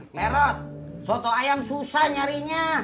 melerot soto ayam susah nyarinya